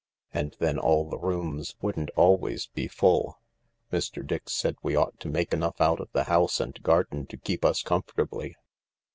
And then all the rooms wouldn't always be full." " Mr. Dix said we ought to make enough out of the house and garden to keep us comfortably."